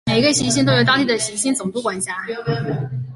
每一个行星都由当地的行星总督管辖。